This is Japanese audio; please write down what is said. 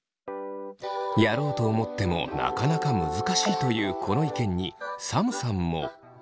やろうと思ってもなかなか難しいというこの意見にサムさんも。